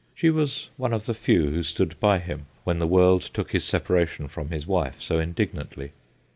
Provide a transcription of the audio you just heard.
She was one of the few who stood by him when the world took his separation from his wife so indignantly.